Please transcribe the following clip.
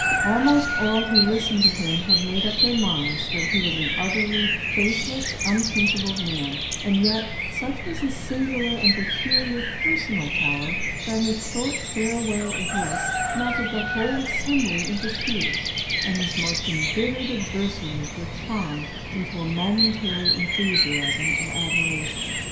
Almost all who listened to him had made up their minds that he was an utterly faithless, unprincipled man; and yet, such was his singular and peculiar personal power, that his short farewell address melted the whole assembly into tears; and his most embittered adversaries were charmed into a momentary enthusiasm of admiration.